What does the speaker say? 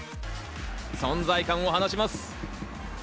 存在感を放ちます。